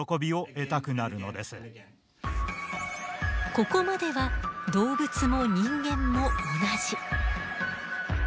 ここまでは動物も人間も同じ。